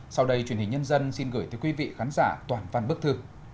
sau đây truyền hình nhân dân xin gửi tới quý vị khán giả toàn văn bức thư